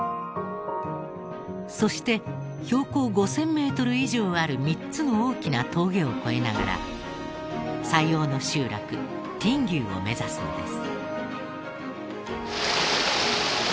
そして標高５０００メートル以上ある３つの大きな峠を越えながら最奥の集落ティンギューを目指すのです。